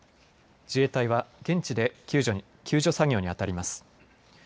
自衛隊は現地で救助作業にあたります。